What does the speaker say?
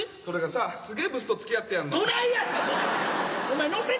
それがさすげぇブスとつきあってやんの。